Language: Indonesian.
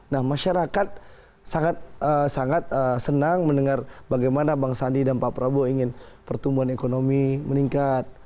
nah masyarakat sangat senang mendengar bagaimana bang sandi dan pak prabowo ingin pertumbuhan ekonomi meningkat